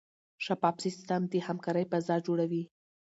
شفاف سیستم د همکارۍ فضا جوړوي.